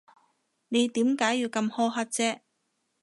你點解要咁苛刻啫？